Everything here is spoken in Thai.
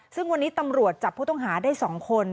ซึ่งวันนี้ตำรวจจับผู้ต้องหาได้๒คน